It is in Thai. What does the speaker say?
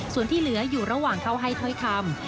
ส่วนที่เหลืออยู่ระหว่างเข้าให้ถ้อยคำ